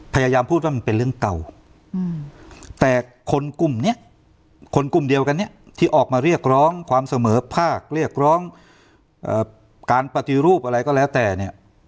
พยายามพูดว่ามันเป็นเรื่องเก่าแต่คนกลุ่มนี้คนกลุ่มเดียวกันเนี่ยที่ออกมาเรียกร้องความเสมอภาคเรียกร้องการปฏิรูปอะไรก็แล้วแต่เนี่ย